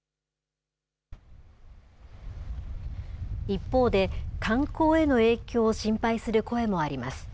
一方で、観光への影響を心配する声もあります。